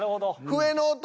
笛の音